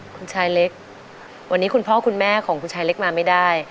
คุณชายเล็กวันนี้คุณพ่อคุณแม่ของคุณชายเล็กมาไม่ได้